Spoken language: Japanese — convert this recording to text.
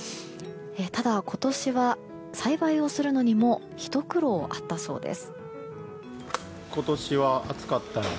ただ、今年は栽培をするのにもひと苦労あったそうです。